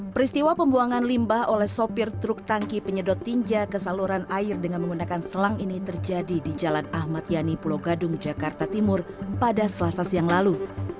peristiwa pembuangan limbah oleh sopir truk tangki penyedot tinja ke saluran air dengan menggunakan selang ini terjadi di jalan ahmad yani pulau gadung jakarta timur pada selasa siang lalu